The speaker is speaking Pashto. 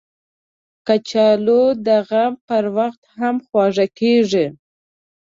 کچالو د غم پر وخت هم خواړه کېږي